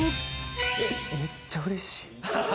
めっちゃうれしい。